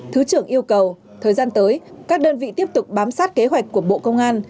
thứ trưởng yêu cầu thời gian tới các đơn vị tiếp tục bám sát kế hoạch của bộ công an